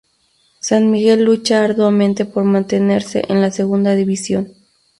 San Miguel lucha arduamente por mantenerse en la Segunda División.